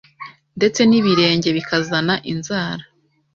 ndetse n’ibirenge bikazana inzara.